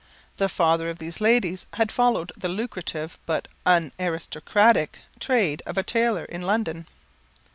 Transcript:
The father of these ladies had followed the lucrative but unaristocratic trade of a tailor in London.